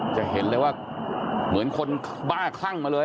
จะเห็นเลยว่าเหมือนคนบ้าคลั่งมาเลย